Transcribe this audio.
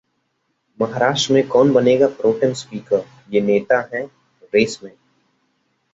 महाराष्ट्र में कौन बनेगा प्रोटेम स्पीकर? ये नेता हैं रेस में